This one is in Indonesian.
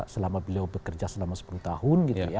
selama beliau bekerja selama sepuluh tahun